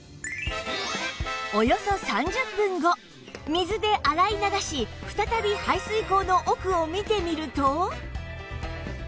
およそ３０分後水で洗い流し再び排水口の奥を見てみると